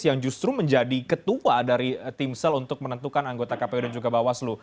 yang justru menjadi ketua dari timsel untuk menentukan anggota kpu dan juga bawaslu